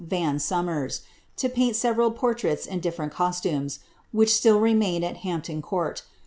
Van Somcrs, to paint several portraits in dilTercnt cosiuines. nhieh ^i.ii remain at llamptrin Court.